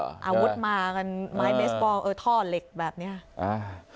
อาวุธมากันไม้เบสบอลเออท่อเหล็กแบบเนี้ยอ่า